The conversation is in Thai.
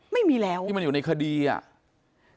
ไม่มีแล้วที่มันอยู่ในคดีอ่ะ